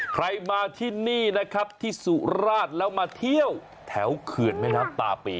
ใครมาที่นี่นะครับที่สุราชแล้วมาเที่ยวแถวเขื่อนแม่น้ำตาปี